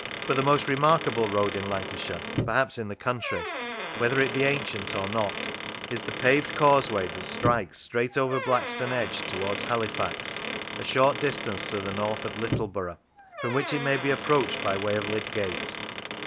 But the most remarkable road in Lancashire (per haps in the country), whether it be ancient or not, is the paved causeway that strikes straight over Black stone Edge towards Halifax, a short distance to the north of Littleborough, from which it may be ap proached by way of Lydgate.